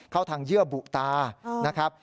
เข้าทางเยื่อบุตานะครับ